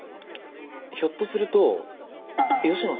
ひょっとすると吉野さんは。